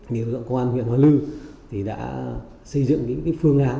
nhiều dân công an huyện hoa lư đã xây dựng những phương án